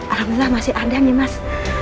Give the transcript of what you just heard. alhamdulillah masih ada nimas